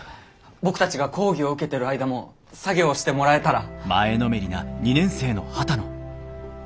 僕たちが講義を受けてる間も作業してもらえたら！